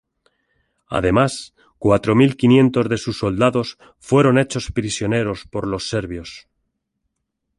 Además cuatro mil quinientos de sus soldados fueron hechos prisioneros por los serbios.